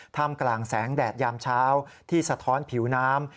ท่ามกลางแสงแดดยามเช้าที่สะท้อนผิวน้ำ